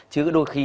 chứ đôi khi